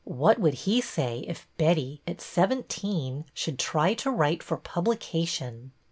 What would he say if Betty, at seventeen, should try to write for publication